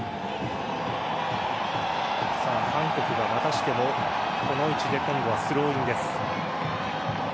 韓国がまたしてもこの位置で今度はスローインです。